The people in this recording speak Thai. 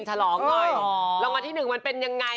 ถล่องยอยลงวันที่๑มันเป็นยังไง